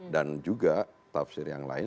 dan juga tafsir yang lain